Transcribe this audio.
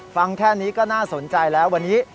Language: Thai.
ฟังแค่นี้ก็น่าสนใจแล้ววันนี้